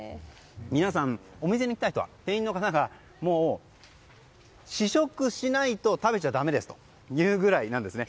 皆さん、お店に行った人は店員の人が試食しないと食べちゃだめですと言うぐらいなんですね。